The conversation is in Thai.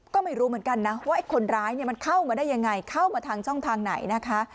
ก็ไม่รู้เหมือนกันนะว่าไอ้คนร้ายมันเข้ามาได้ยังไงเข้ามาทางช่องทางไหนนะคะ